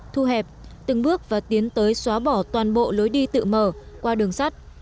thu hẹp từng bước và tiến tới xóa bỏ toàn bộ lối đi tự mở qua đường sắt